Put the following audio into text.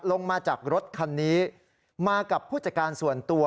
ลงมาจากรถคันนี้มากับผู้จัดการส่วนตัว